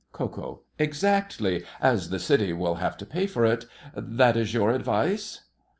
KO. Exactly—as the city will have to pay for it. That is your advice.